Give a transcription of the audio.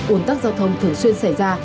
ổn tắc giao thông thường xuyên xảy ra